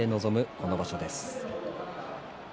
この場所です。